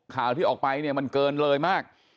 ข่าวที่ออกไปเนี่ยมันเกินเลยมาก